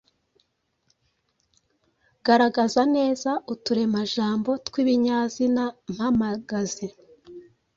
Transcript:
Garagaza neza uturemajambo tw’ibinyazina mpamagazi